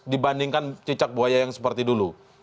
dibandingkan cicak buaya yang seperti dulu